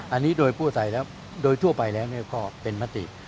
อันนี้โดยทั่วใส่แล้วโดยทั่วไปแล้วก็เป็นมติ